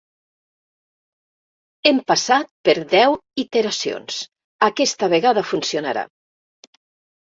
Hem passat per deu iteracions, aquesta vegada funcionarà!